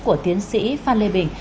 của tiến sĩ phan lê bình